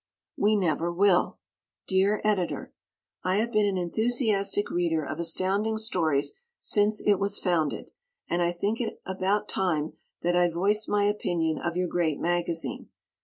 We Never Will Dear Editor: I have been an enthusiastic reader of Astounding Stories since it was founded, and I think it about time that I voiced my opinion of your great magazine.